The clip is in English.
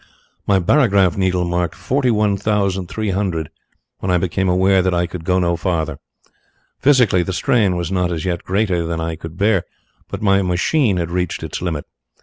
"My barograph needle marked forty one thousand three hundred when I became aware that I could go no farther. Physically, the strain was not as yet greater than I could bear but my machine had reached its limit.